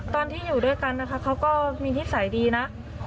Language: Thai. ตอนที่อยู่ด้วยกันนะคะเขาก็มีนิสัยดีนะ